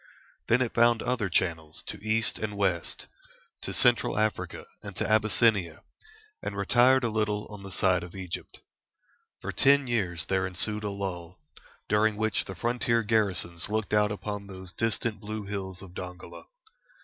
Then it found other channels to east and west, to Central Africa and to Abyssinia, and retired a little on the side of Egypt. For ten years there ensued a lull, during which the frontier garrisons looked out upon those distant blue hills of Dongola.